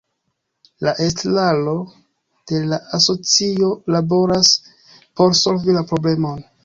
La estraro de la asocio laboras por solvi la problemon.